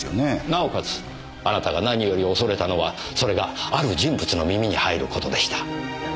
なおかつあなたが何より恐れたのはそれがある人物の耳に入る事でした。